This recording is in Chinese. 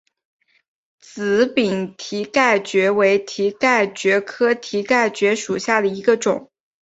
紫柄蹄盖蕨为蹄盖蕨科蹄盖蕨属下的一个种。